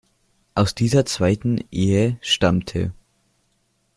Aus dieser zweiten Ehe stammte